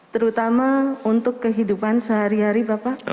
terutama untuk kehidupan sehari hari bapak